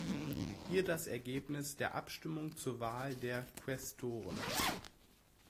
Hier das Ergebnis der Abstimmung zur Wahl der Quästoren.